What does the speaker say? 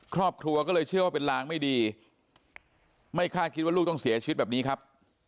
ครอบครัวก็เลยเชื่อว่าเป็นลางไม่ดีไม่คาดคิดว่าลูกต้องเสียชีวิตแบบนี้ครับ